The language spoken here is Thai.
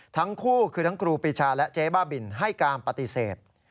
ทั้งคู่คือทั้งครูปีชาและเจ๊บ้าบินให้การปฏิเสธ